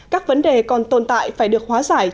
các vấn đề còn tồn tại phải được hóa giải